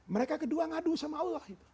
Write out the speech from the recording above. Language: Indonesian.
mereka kedua ngadu sama allah